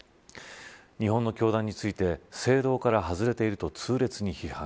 日本の教団について正道から外れていると痛烈に批判。